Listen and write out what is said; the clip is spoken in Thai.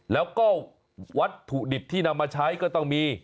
แล้วก็วัตถุดิบที่นำมาใช้ก็ต้องมี